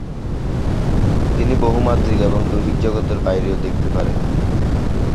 তিনি বহুমাত্রিক বা দৈহিক জগতের বাইরেও দেখতে পারেন।